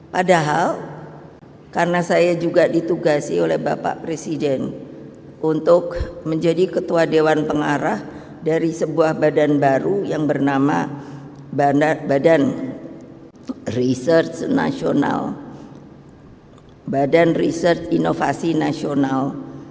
padahal karena saya juga ditugasi oleh bapak presiden untuk menjadi ketua dewan pengarah dari sebuah badan baru yang bernama badan research nasional badan riset inovasi nasional